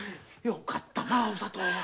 よかったなお里！